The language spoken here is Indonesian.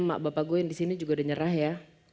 mak bapak gue yang disini juga udah nyerah ya